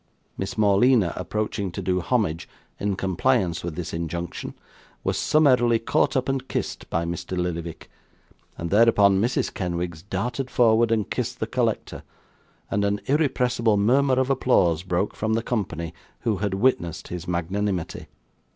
Miss Morleena approaching to do homage, in compliance with this injunction, was summarily caught up and kissed by Mr. Lillyvick; and thereupon Mrs. Kenwigs darted forward and kissed the collector, and an irrepressible murmur of applause broke from the company who had witnessed his magnanimity.